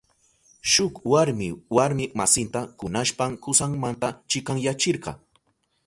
Shuk warmi warmi masinta kunashpan kusanmanta chikanyachirka.